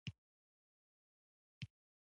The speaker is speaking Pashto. په سپکه سترګه وګورو.